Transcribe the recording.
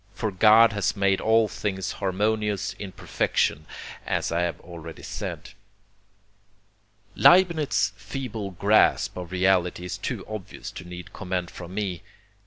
for God has made all things harmonious in perfection as I have already said." Leibnitz's feeble grasp of reality is too obvious to need comment from me.